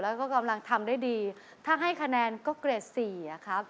แล้วก็กำลังทำได้ดีถ้าให้คะแนนก็เกรดสี่อะครับ